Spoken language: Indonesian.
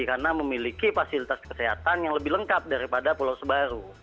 karena memiliki fasilitas kesehatan yang lebih lengkap daripada pulau sebaru